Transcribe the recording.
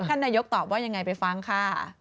ท่านนายกตอบว่ายังไงไปฟังค่ะ